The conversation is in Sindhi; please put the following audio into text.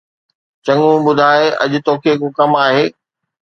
چڱو، ٻڌاءِ، اڄ توکي ڪو ڪم آھي؟